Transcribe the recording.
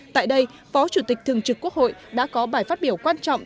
tại đây phó chủ tịch thường trực quốc hội đã có bài phát biểu quan trọng